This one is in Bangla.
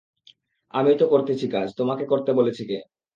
আমিই তো করতেছি কাজ, তোমাকে করতে বলছে কে?